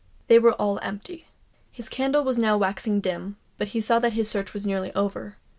They were all empty. His candle was now waxing dim; but he saw that his search was nearly over.